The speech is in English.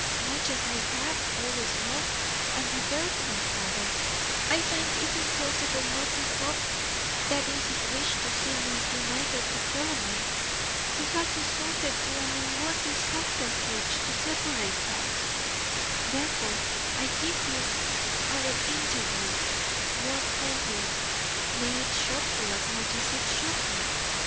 Much as I have always loved and revered my father, I find it impossible not to hope that in his wish to see me united to Philemon he has resorted to an unworthy subterfuge to separate us; therefore I give you our interview word for word. May it shock you as much as it shocked me.